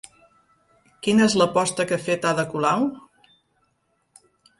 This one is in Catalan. Quina és l'aposta que ha fet Ada Colau?